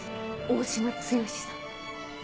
大島剛志さん。